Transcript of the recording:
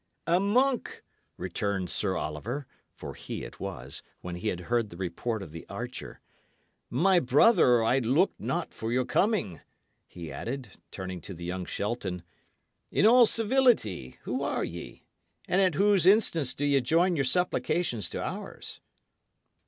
"A monk!" returned Sir Oliver (for he it was), when he had heard the report of the archer. "My brother, I looked not for your coming," he added, turning to young Shelton. "In all civility, who are ye? and at whose instance do ye join your supplications to ours?"